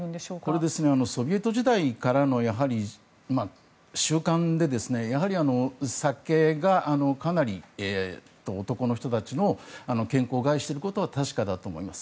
やはりソビエト時代からの習慣でやはり酒がかなり男の人たちの健康を害していることは確かだと思います。